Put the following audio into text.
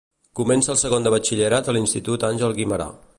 Comença el segon de Batxillerat a l'Institut Àngel Guimerà.